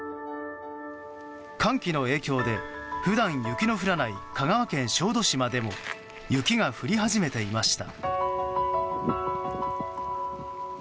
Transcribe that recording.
寒気の影響で普段雪の降らない香川県の小豆島でも雪が降り始めていました。